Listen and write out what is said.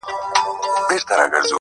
کلي ورو ورو ارامېږي,